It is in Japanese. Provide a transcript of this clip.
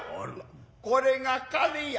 これが金や。